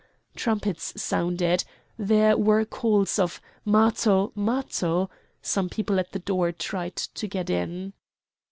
Trumpets sounded. There were calls of "Matho! Matho!" Some people at the door tried to get in.